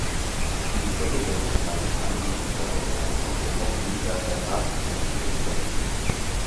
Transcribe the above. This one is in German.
Diese Doppeldeutigkeit kann nicht sein, und wir hoffen, dass der Rat sich dazu bekennt.